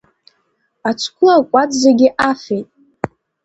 Ацгәы акәац зегьы афеит…